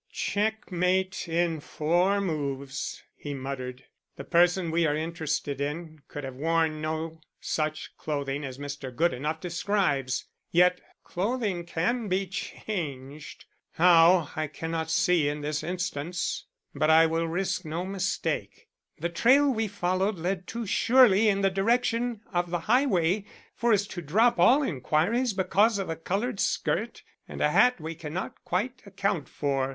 "Checkmate in four moves," he muttered. "The person we are interested in could have worn no such clothing as Mr. Goodenough describes. Yet clothing can be changed. How, I cannot see in this instance; but I will risk no mistake. The trail we followed led too surely in the direction of the highway for us to drop all inquiries because of a colored skirt and a hat we cannot quite account for.